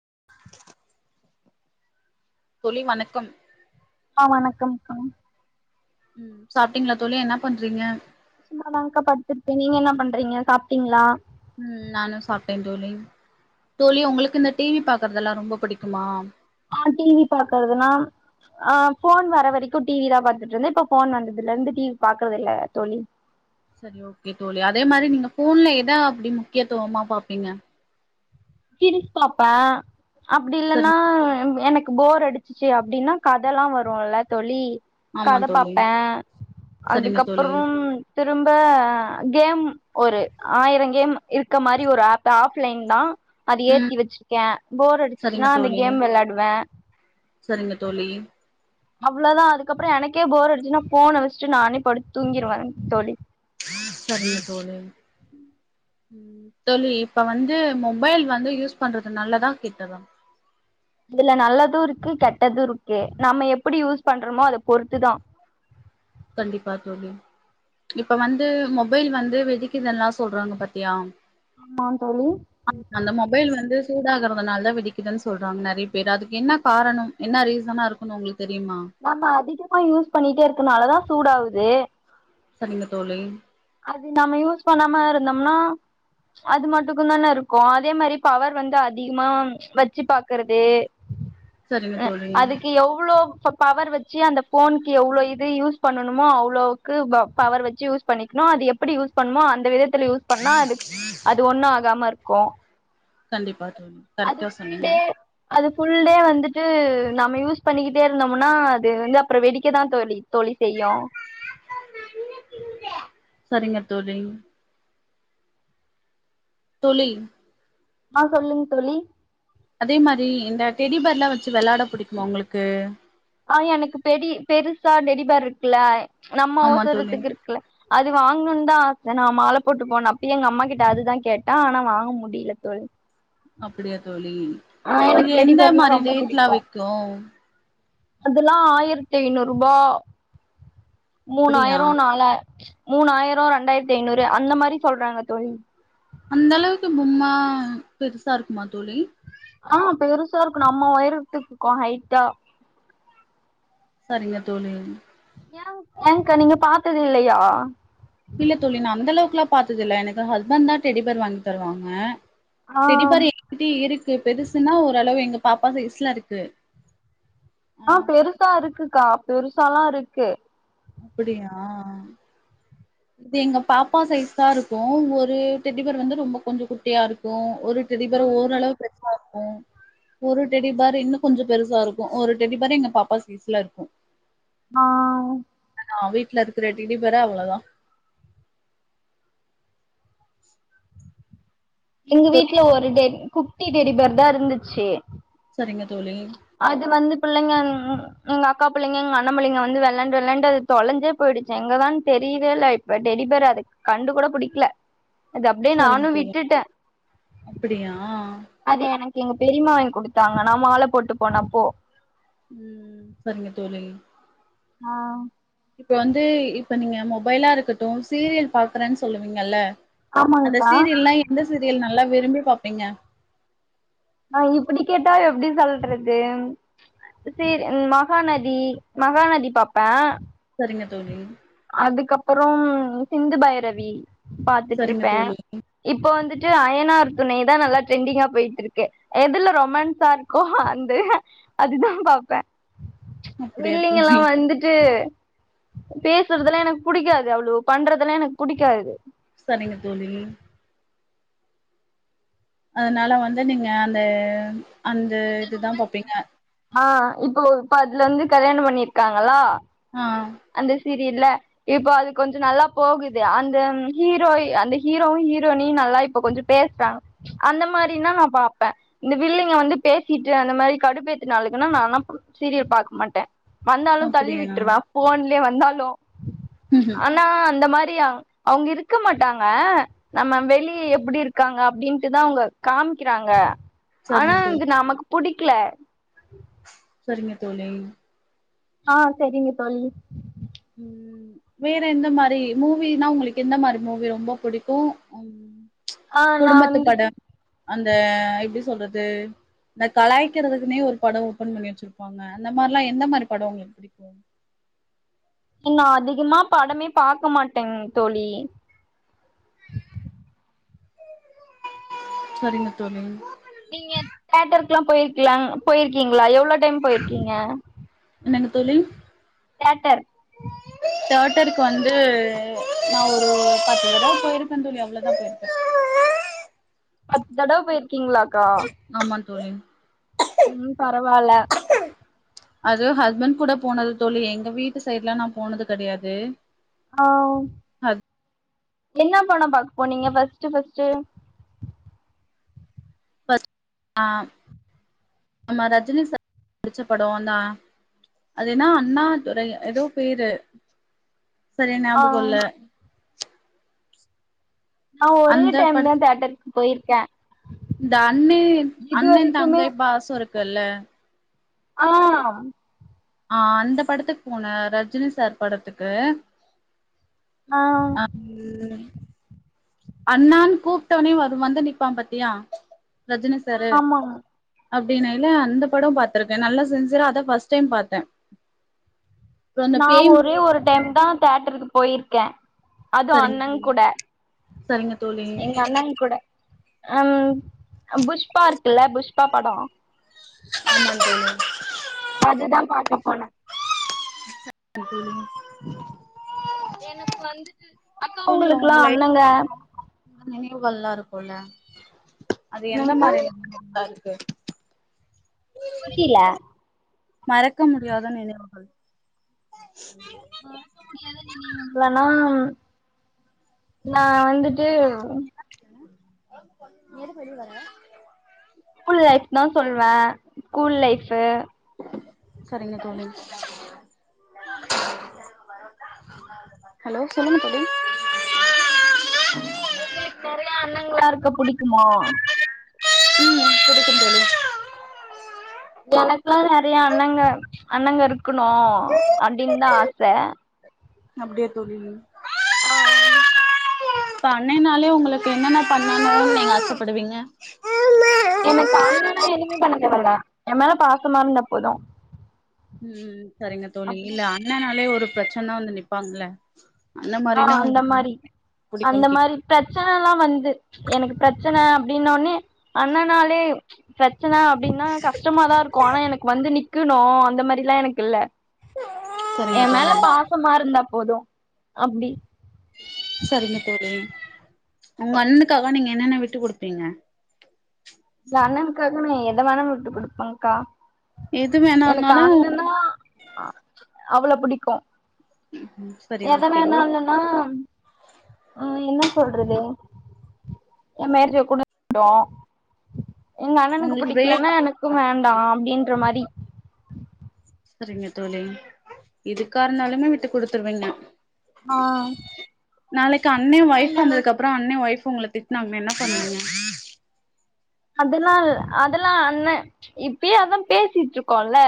[inaudible] தோழி வணக்கம். ஆஹா வணக்கம் தோழி உம் சாப்ட்டீங்களா தோழி என்ன பண்றீங்க சும்மாதாக்கா படுத்துருக்கே நீங்க என்ன பண்றீங்க சாப்ட்டீங்க்ளா உஹம் நானு சாப்ட்டே தோழி தோழி உங்களுக்கு இந்த டிவி பாக்குறதெல்லா ரொம்ப பிடிக்குமா ஆஹ் டிவி பாக்குறதுன்னா ஆஹ் ஃபோன் வர்ற வரைக்கு டிவி தா பாத்துட்டு இருந்தே இப்ப ஃபோன் வந்ததுல இருந்து டிவி பாக்குறது இல்ல தோழி சரி ஓகே தோழி அதே மாரி நீங்க ஃபோன்ல எதா அப்டி முக்கியத்துவமா பாப்பீங்க சீரிஸ் பாப்பே அப்டி இல்லன்னா சரிங் எனக் போர் அடிச்சிச்சு அப்படின்னா கதெல்லாம் வரும்ல தோழி ஆமா கதை தோழி பார்பேன் சரிங்க தோழி அதுக்கப்புறம் திரும்ப கேம் ஒரு ஆயிரம் கேம் இருக்கற மாதிரி ஒரு ஆப் ஆஃப்லைன் தான் அது ம் ஏத்தி வச்சிருக்கேன் போர் சரிங்க அடிச்சுச்சுன்னா அந்த தோழி கேம் விளையாடுவேன் சரிங்க தோழி அவ்வளோதான் அதுக்கப்புறம் எனக்கே போரடுச்சுச்சுன்னா போனை வச்சுட்டு நானே படுத்து தூங்கிடுவேன் தோழி சரிங்க தோழி ம் தோழி இப்ப வந்து மொபைல் வந்து யூஸ் பண்றது நல்லதா கெட்டதா இதுல நல்லதும் இருக்கு கெட்டதும் இருக்கு நாம எப்படி யூஸ் பண்றோமோ அத பொறுத்துதான் கண்டிப்பா தோழி இப்ப வந்து மொபைல் வந்து வெடிக்குதுன்னெல்லாம் சொல்றாங்க பாத்தியா ஆமா தோழி ஆமா அந்த மொபைல் வந்து சூடாகறதுனால வெடிக்குதுன்னு சொல்றாங்க நிறைய பேர் அதுக்கு என்ன காரணம் என்ன ரீசனா இருக்கணும் உங்களுக்கு தெரியுமா நம்ம அதிகமா யூஸ் பண்ணிட்டே இருக்கறதனால தான் சூடாகுது சரிங்க தோழி அது நாம யூஸ் பண்ணாம இருந்தோம்னா அது மட்டுக்கும் தானே இருக்கும் அதே மாதிரி பவர் வந்து அதிகமா வச்சு பாக்குறது சரிங்க அ தோழி அதுக்கு எவ்வளோ இப்ப பவர் வச்சு அந்த போனுக்கு எவ்வளோ இது யூஸ் பண்ணணுமோ அவ்ளவுக்கு பவர் வச்சு யூஸ் பண்ணி அ எப்படியூஸ் பண்ணணுமோ அந்த விதத்தை யூஸ் பண்ணா அதுக்கு அது ஒண்ணு ஆகாம இருக் கு கண்டிப்பா தோழி கரெக்டா சொன்னிங்க டே அது ஃபுல் டே வந்துட்டு நம்ம யூஸ் பண்ணிக்கிட்டே இருந்தோம்னா அது வந்து அப்புற வெடிக்கதா தோழி தோழி செய்யு சரிங்க தோழி தோழி ஆ சொல்லுங் தோழி அதே மாரி இந்த டெடிபேர்லா வெச்சு வெளாட பிடிக்குமா உங்களுக்கு ஆ எனக்கு பெடி பெருசா டெடிபேர் இருக்குல நம்ம ஆமா தோழி ஒசரத்துக்கு இருக்குல அது வாங்கணுன் தா ஆச நா மாலை போட்டு போனப்பயு எங்கம்மா கிட்ட அதுதா கேட்டே ஆனா வாங்க முடில தோழி அப்படியா தோழி ஆ அது எனக்கு எந்த டெடிபேர்னா மாதிரி ரொம்ப ரேட்ல புடிக்கு விக்கு அதெல்லா ஆயிரத்தி ஐநூறுபா அப்டியா மூணாயிர நாலாயி மூணாயர ரெண்டாயரத்தி ஐநூறு அந்த மாரி சொல்றாங்க தோழி அந்தளவுக்கு பொம்மா பெருசா இருக்குமா தோழி ஆ பெருசா இருக்கு நம்ம ஒயரத்துக்கு இக்கு ஹைட்டா சரிங்க தோழி ஏ ஏங்கா நீங்க பார்த்தது இல்லையா பாத்ததுல்ல எனக்கு ஹஸ்பண்ட்தா டெடி ஃபேர் வாங்கி தருவாங்க ஆ டெடி ஃபேர் எங்க கிட்டயே இருக் பெருசுன்னா ஓரளவு எங்க பாப்பா சைஸ்ல இருக்கு ஆ பெருசா இருக்குக்கா பெருசாலா இருக்கு அப்புடியா இது எங்க பாப்பா சைஸ்தா இருக்கும் ஒரு டெடி ஃபேர் வந்து ரொம்ப கொஞ்சோ குட்டியா இருக்கும் ஒரு டெடி ஃபேர் ஓரளவு பிரச்சன ஆகு ஓ ஒரு டெடி ஃபேர் இன்னு கொஞ்சோ பெருசா இருக்கும் ஒரு டெடி ஃபேர் எங்க பாப்பா சைஸ்ல இருக்கும் ஆ ஆ வீட்டு்ல இருக்கிற டெடிஃபேரே அவ்ளோதா எங்க தோழி வீட்டுல ஒரு டெடி குட் ட்டி டேடி ஃபேர்தா இருந்துச்சு சரிங்க தோழி அது வந்து புள்ளங்க எங்க அக்கா புள்ளங்க எங்க அண்ண புள்ளங்க வந்து வெளாண்டு வெளாண்டு அது தொலைஞ்சே போயிடுச்சே எங்கதான்னு தெரியவே இல்ல இப்ப டெடி பேரு அத கண்டு கூட புடிக்கல அது அப்டியே சரிங்க நானு தோழி விட்டுட்டே அப்படியா அது எனக் எங்க பெரியம்மா வாங்கி குடுத்தாங்க நா மால போட்டுட்டு போனப்போ உம் சரிங்க தோழி ஆ இப்ப வந்து இப்ப நீங்க மொபைலா இருக்கட்டு சீரியல் பாக்குறேன்னு சொல்லுவீங்கல்ல அந்த ஆமாங்க்கா சீரியலெல்லா எந்த எந்த சீரியல் நல்லா விரும்பி பாப்பிங்க ஆ இப்புடி கேட்டா எப்புடி சொல்றது செரி மகாநதி மகாநதி பாப்பே செரிங்க தோழி அதுக்கப்பறோம் சிந்து பைரவி சரிங்க பாத்துட்ருப்பே தோழி. இப்ப வந்துட்டு அயனார் துணைதா நல்லா ட்ரெண்டிங்கா போயிட்ருக்கு எதுல ரொமான்ஸா இருக்கோ அந்து அதுதா பாப்பே அப்படியா வில்லிங்கல்லா தோழி வந்துட்டு பேசு றதெல்லா எனக்கு புடிக்காது அவ்ளோ பண்றதெல்லா எனக்கு புடிக்காது சரிங்க தோழி அதனால வந்து நீங்க அந்த அந்த இதுதா ரொமான்ஸ பாப்பீங்க. மட்டு ஆ இப்போ இப்ப அதுல வந்து கல்யாணோ பண்ணியிருக்காங்களா ஆ இல்ல இப்ப அது கொஞ்சோ நல்லா போகுது அந்த ஹீரோய் அந்த ஹீரோவு ஹீரோயினியு நல்லா இப்ப கொஞ்சோ பேசுறாங்க அந்த மாரின்னா நா பாப்பே இந்த வில்லிங்க வந்து பேசிட்டு அந்த மாரி கடுப்பேத்துனாளுகன்னா நானா இப் சீரியல் பாக்க மாட்டே வந்தாலு தள்ளி அப்படியா விட்ருவே போன்லே வந்தாலு ம்ஹ்ம். ஆனா அந்த மாரி சியா அவுங்க இருக்க மாட்டாங்க நம்ம வெளிய எப்டி இருக்காங்க அப்டின்ட்டுதா அவுங்க காமிக்கிறாங்க ஆனா சரிங்க தோழி இது நமக்கு புடிக்ல செரிங்க தோழி ஆஹ் செரிங்க தோழி உம் வேற எந்த மாரி மூவினா உங்களுக்கு எந்த மாரி மூவி ரொம்ப புடிக்கு உம் ஆஹ் நா வந்துட்டு அந்த எப்டி சொல்றது இந்த கலாய்க்றதுக்குனே ஒரு பட ஓப்பன் பண்ணி வச்சிருப்பாங்க அந்த மார்லா எந்த மாரி பட ஒங்ளுக்கு புடிக்கு நா அதிகமா படமே பாக்கமாட்டே தோழி செரிங்க தோழி நீங்க தேட்டருக்லா போயிருக்கிலா போயிருக்கீங்ளா எவ்ளோ டைம் போயிர்க்கீங்க என்னங்க தோழி தேட்டர் தேட்டருக்கு வந்து நா ஒரு பத்துதடவ போயிருக்கே தோழி அவ்ளதா போயிருக்கே பத்து தடவ போயிருக் கீங்ளாக்கா ஆமா தோழி உம் பரவால்ல அது ஹஸ்பண்ட் கூட போனது தோழி எங்க வீட்டு சைட்லா நா போனது கெடையாது ஆஹ் ஹஸ் என்ன பட பாக்கப் போனிங்க ஃபர்ஸ்ட் ஃபர்ஸ்ட்டு ஃபர்ஸ்ட்டா நம்ம ரஜினி சார் நடிச்ச படோந்தா அது என்னா அண்ணா துறை எதோ பேரு செரியா ஆ ஞாபக இல்ல நா ஒரே அந்த டைம் தா படத் தேட்டருக்கு போய்ருக்கே இந்த அண்ணு அண்ணந் தங்கை பாசோ இருக்குல்ல ஆஹ் ஆஹ் அந்த படத்துக்கு போன ரஜினி சார் படத்துக்கு ஆ ஆஹ் இல்ல அண்ணான் கூப்ட்டவ்னே வ வந்து நி்ப்பா பாத்தியா ரஜினி சாரு ஆமாங்க அப்டின்னுலா அந்த பட பாத்ருக்கே நல்லா சின்சியரா அதா ஃபர்ஸ்ட் டைம் பாத்தே அப்றோ அந்த நா பேய் ஒரே மூவி ஒரு டைம் தா தேட்டருக்கு போயிருக்கே அதுவு சரிங்க அண்ணங் தோழி கூட சரிங்க தோழி எங்க அண்ணங் கூட ஆஹ் அ புஷ்பா இருக்குல்ல புஷ்பா பட ஆமா தோழி அதுதா பாக்க போனே செரிங்க தோழி எனக்கு வந்துட்டு அக்கா தோழி உங்களுக்குல்லா அண்ணங்க வல்லா இருக்குல அது எந்த என்னங்க்கா மாரி இருந்தால் ச புரில மறக்க முடியாத நினைவுகள் உ மறக்க முடியாத நினைவுகனா நா வந்துட் டு நீ எதுக்கு வெளிய வர ஸ்கூல் லைஃப் தா சொல் வே ஸ்கூல் லைஃபு சரிங்கங்க தோழி ஹலோ சொல்லுங்க தோழி உங்களுக்கு நெறைய அன்னங்களா இருக்க புடிக்குமோ உம் புடிக்கு தோழி எனக்குல்லா நெறைய அண்ணங்க அண்ணங்க இருக்கணு அப்டின்னு தா தோழி ஆச அப்டியா தோழி ஆஹ்ம் இப்ப அண்ணைனாலே உங்களுக்கு என்னென்ன பண்ணனு நீங்க ஆசப்படுவீங்க எனக்கு அண்ணன்னா எனிமே பண்ணன் தேவல்ல எ மேல பாசமா இருந்தா போது உம் சரிங்க தோழி அப்டி இல்ல அண்ணனாலே ஒரு பிரச்சனனா வந்து நப்பாங்களே ஆஹ் அந்த மாரி அந்த புடிக்கும்னு கேக் மாரி பிரச்சனனா வந்து எனக்கு பிரச்சன அப்டின்னோனே அண்ணனாளே பிர ச்சன அப்டின்னா கஷ்டமா தா இருக்கோ ஆனா எனக்கு வந்து நிக் குணு அந்த மாரில்லா எனக்கு இல்ல எ சரிங்க மேல தோழி பாசமா இருந்தா போதோ அப்டி சரிங்க தோழி உங்க அண்ணனுக்காக நீங்க என்னென்ன விட்டு குடுப்பீங்க என் அண்ணனுக்காக நா எதவேனா விட்டு கொடுப்பேன்கா எது வேணான்னாலு அவளோ புடிக்கு சரி ஓகே எதனாலன்னா ஆ என்னா சொல்றது ஏ மேரேஜிய கூட [unintelligible] எங்க அண்ணனுக்கு உங்களுக்கு பிரேக் புடிக்கலனா எனக்கும் வேண்டா [unintelligible] அப்டின்ற மாரி செரிங்க தோழி எதுக்காருந்தாலுமே விட்டு குடுத்துருவீங்க ஆ நாளைக்கு அண்ணன் ஒய்ஃப்பு வந்ததுக்கு அப்புறம் அண்ன ஒய்ஃப் உங்கள திட்னாங்கன்ன என்ன பண்ணுவிங்க அதெல்லாம் அதெல்லாம் அண்ணன் இப்பயே அதான் பேசிட்டு இருக்கோம்ல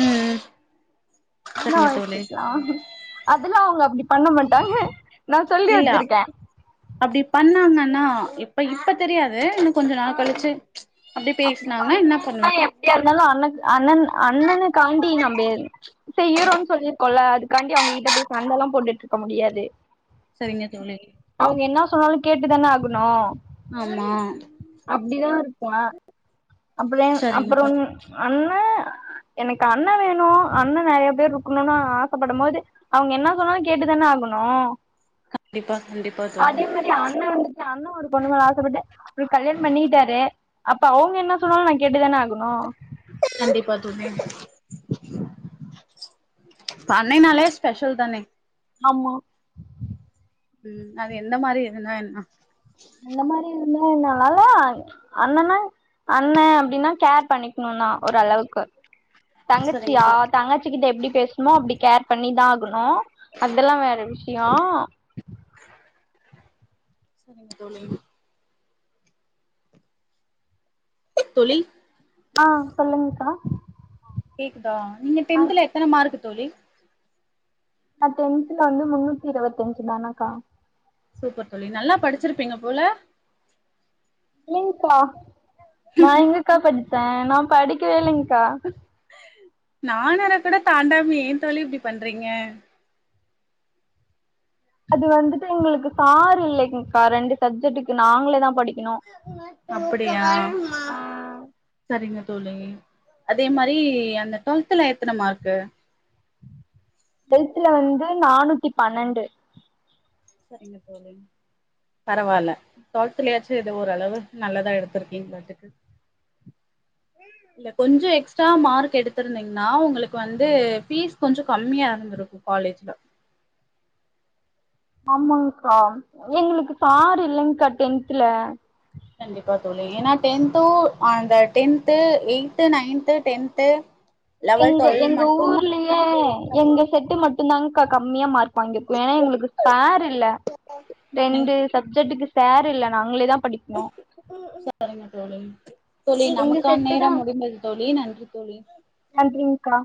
உம் [unintelligible] அதெல்லாம் அவுங்க அப்படி பண்ண மாட்டாங்க நா சொல்லி இல்ல வச்சிருக்கே அப்படி பண்ணாங்கனா ரா இப்ப இப்ப தெரியாது கொஞ்ச நாள் ஹ் கழிச்சு அப்டி அப்படி பேசுனாங்கன்னா என்ன அண்ணன்னா பண்ணுவே எப்பிடியா இருந்தாலும் அண்ண அப் அண்ணன் அண்ண அண்ணனு காண்டி நம்ம செய்யறோம்ன்னு சொல்லிருக்கோம்ல இதுக்காண்டி அவங்ககிட்ட போய் சண்டெல்லாம் போட்டுட்டு இருக்க முடியாது சரிங்க தோழி சொன்னாலும் கேட்டுதான ஆகணும் ஆமாம் அப்படிதான் இருப்பா அப்பறம் சரிங்க அப்புறம் தோழி ஒன்னு அ எனக்கு அண்ணன் வேணும் அண்ணன் நெறைய பேர் இருக்கணும்னு ஆசைப்படும்போது அவங்க என்ன சொன்னாலும் கேட்டுதான ஆகணும் கண்டிப்பா கண்டிப்பா தோழி அதே மாதிரி அண்ணன் வந்துட்டு அண்ண ஒரு பொண்ணுமேல ஆசப்பட்டு அவுரு கல்யாணம் பண்ணிகிட்டாரு அப்ப அவுங்க என்ன என்ன சொன்னாலோ நான் கேட்டுதானே ஆகணோ பண்னைனாலே ஸ்பெஷல் தானே ஆமா உம் அது எந்த மாதிரி என்னா என்னா அந்த மாதிரி இருந்த இன்றனால அண்ணன்னா அண்ண அப்படின்னா கேர் பண்ணிக்கணும்ன்னா ஒரு அளவுக்கு சரிங்க தங்கச்சியா தோழி தங்கச்சி கிட்ட எப்படி பேசணுமோ அப்படி கேர் பண்ணிதா ஆகணோ அதெல்லாம் வேற விஷயோ சரிங்க தோழி தோழி ஆ சொல்லுங்கக்கா கேக்குது நீங்க டென்த்துல எத்தன மார்க் தோழி நா டென்துல வந்து முன்னூத்தி இருவத்தஞ்சு தானக்கா சூப்பர் தோழி நல்லா படிச்சிருப்பீங்க போல இல்லைங்கா நா எங்கக்கா படிச் த நா படிக்கவே இல்லீங்க் கா நானூற கூட தாண்டாம ஏ தோழி இப்டி பண்றீங்க அது வந்துட்டு எங்களுக்கு சார் இல்லைங்க்கா ரெண்டு சப்ஜெக்ட்டுக்கு நாங்களே தா படிக் அப்படியா சரிங்க தோழி அதே மாரி அந்த ட்வல்த்ல எத்தன மார்க்கு ல்த்ல வந்து நானூத்தி பன்னண்டு சரிங்க தோழி பரவால்ல ட்வல்த்லயாச்சு எதோ ஓரளவுக்கு நல்லதா எடுத்துருக்கீங்களாட்டுக்கு இல்ல கொஞ்சோ எக்ஸ்ட்ரா மார்க் எடுத்திருந்தீங்னா உங்களுக்கு வந்து ஃபீஸ் கொஞ்சோ கம்மியா இருந்திருக்கு காலேஜ்ல ஆமாங்க்கா எங்களுக்கு சார் இல்லங்க்கா டென்த்ல கண்டிப்பா தோழி ஏனா டென்த்து அந்த tenth eighth, ninth, tenth level எங்க டுவெல் எங்க மட்டுந்தா ஊர்லயே எங்க செட்டு மட்டுந்தாங் க்கா கம்மியா மார்க் வாங்கிர்க்கோ ஏனா எங்களுக்கு சார் இல்ல ரெண்டு சப்ஜெக்ட்டுக்கு சார் இல்ல நாங்களே தா படிக்கணு செரிங்க தோழி தோழி எங்க நமக்கான் செட்டு நேரோ தா முடிந்தது தோழி நன்றி தோழி நன்றிங்க்கா